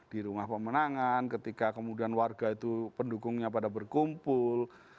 di rumah pemenangan ketika kemudian warga itu pendukungnya pada berkumpul